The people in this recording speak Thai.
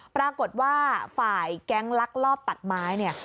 ปรากฏว่าฝ่ายแก๊งลักษณ์ลอบตัดไม้